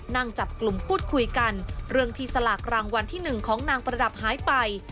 นั่งจับกลุ่มพูดคุยกันเรื่องที่สลากรางวัลที่๑ของนางประดับหายไป